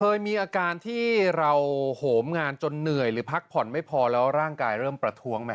เคยมีอาการที่เราโหมงานจนเหนื่อยหรือพักผ่อนไม่พอแล้วร่างกายเริ่มประท้วงไหม